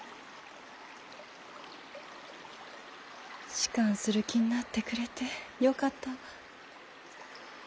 仕官する気になってくれてよかったわ。